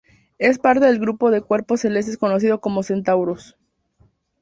Es parte del grupo de cuerpos celestes conocido como Centauros.